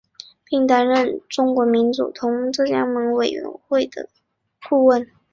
并担任中国民主同盟浙江省委的顾问。